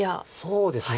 そうですね。